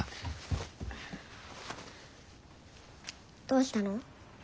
どうしたの？